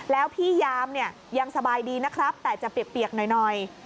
แล้วพี่ยามเนี่ยยังสบายดีนะครับแต่จะเปียกหน่อย